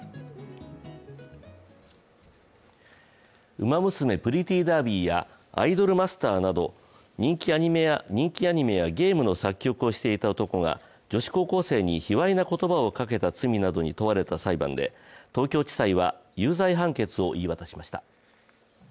「ウマ娘プリティーダービー」や「アイドルマスター」など人気アニメやゲームの作曲をしていた男が女子高校生に卑わいな言葉をかけた罪などに問われた裁判で東京地裁は有罪判決を言い渡しました。